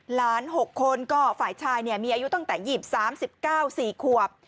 หลาน๖คนก็ฝ่ายชายเนี่ยมีอายุตั้งแต่๓๙สี่ขวบ